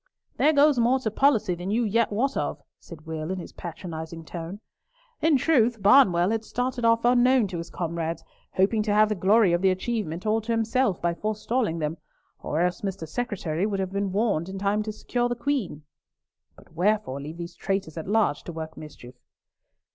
"There goes more to policy than you yet wot of," said Will, in his patronising tone. "In truth, Barnwell had started off unknown to his comrades, hoping to have the glory of the achievement all to himself by forestalling them, or else Mr. Secretary would have been warned in time to secure the Queen." "But wherefore leave these traitors at large to work mischief?"